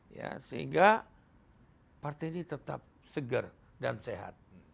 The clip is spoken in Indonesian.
ya sehingga partai ini tetap segar dan sehat